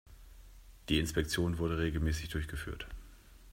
Die Inspektion wurde regelmäßig durchgeführt.